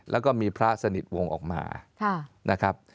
แล้วก็มีพระสนิทวงศ์ออกมานะครับ